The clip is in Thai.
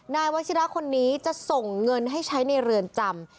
นายวัชิระคนนี้จะส่งเงินให้ใช้ในเรือนจำ